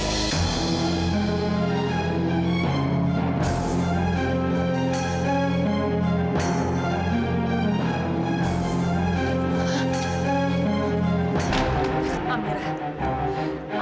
cualquier kehidupan mungkin suhanti